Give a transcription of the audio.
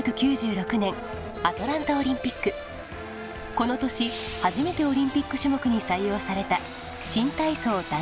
この年初めてオリンピック種目に採用された新体操団体。